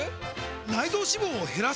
内臓脂肪を減らす！？